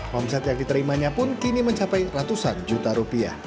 omset yang diterimanya pun kini mencapai ratusan juta rupiah